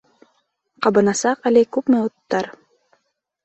Ҡабынасаҡ әле күпме уттар.